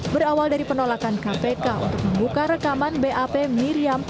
berawal dari penolakan kpk untuk membuka rekaman bap miriam